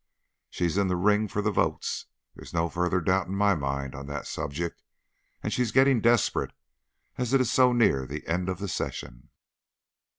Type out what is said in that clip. She's in the ring for votes, there's no further doubt in my mind on that subject; and she's getting desperate, as it is so near the end of the session."